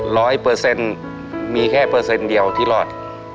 ร้อยเปอร์เซ็นต์มีแค่เปอร์เซ็นต์เดียวที่รอด